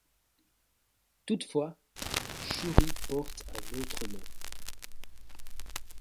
Toutefois, Shuri porte un autre nom.